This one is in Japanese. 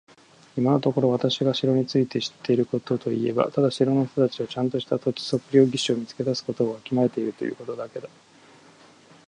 今のところ私が城について知っていることといえば、ただ城の人たちはちゃんとした土地測量技師を見つけ出すことをわきまえているということだけだ。